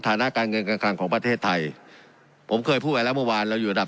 ฐานะการเงินการคลังของประเทศไทยผมเคยพูดไปแล้วเมื่อวานเราอยู่ระดับ